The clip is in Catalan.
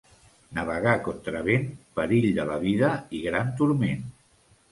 Navegar contra vent, perill de la vida i gran turment.